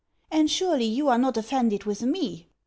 And surely you are not offended with me?